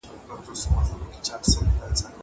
زه مخکي کالي وچولي وو.